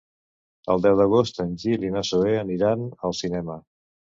El deu d'agost en Gil i na Zoè aniran al cinema.